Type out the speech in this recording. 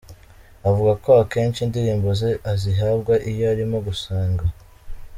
Avuga ko akenshi indirimbo ze azihabwa iyo arimo gusenga.